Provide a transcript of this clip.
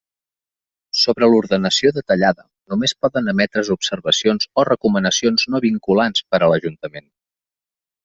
Sobre l'ordenació detallada només poden emetre's observacions o recomanacions no vinculants per a l'ajuntament.